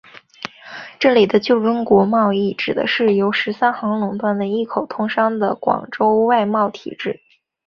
这里的旧中国贸易指的是由十三行垄断的一口通商的广州外贸体制。